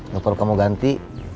gak perlu kamu ganti